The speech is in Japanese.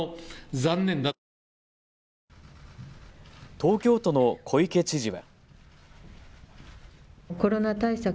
東京都の小池知事は。